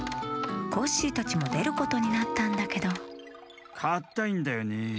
コッシーたちもでることになったんだけどかったいんだよね。